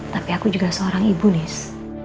tapi aku juga seorang ibu nihs